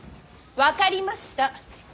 分かりました。